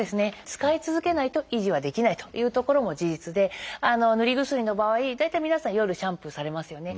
使い続けないと維持はできないというところも事実で塗り薬の場合大体皆さん夜シャンプーされますよね。